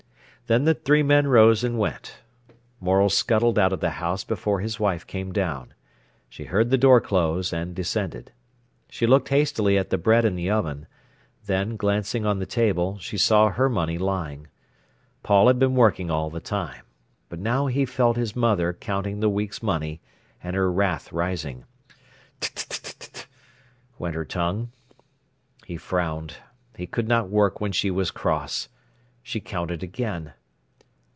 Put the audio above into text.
Then the three men rose and went. Morel scuttled out of the house before his wife came down. She heard the door close, and descended. She looked hastily at the bread in the oven. Then, glancing on the table, she saw her money lying. Paul had been working all the time. But now he felt his mother counting the week's money, and her wrath rising, "T t t t t!" went her tongue. He frowned. He could not work when she was cross. She counted again.